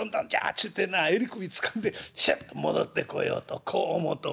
ちゅうてな襟首つかんでシュッと戻ってこようとこう思うておりますんじゃ」。